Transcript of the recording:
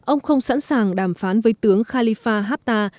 ông không sẵn sàng đàm phán với tướng khalifa haftta